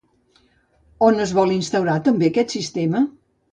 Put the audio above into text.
On es vol instaurar també aquest sistema?